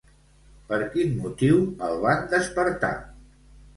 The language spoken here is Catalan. Per quin motiu el van despertar?